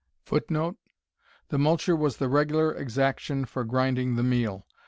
[Note: The multure was the regular exaction for grinding the meal.